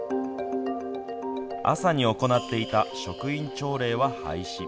朝に行っていた職員朝礼は廃止。